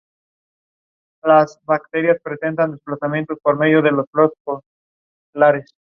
En el comienzo de su carrera, ya había jugado en Juventude y Marília.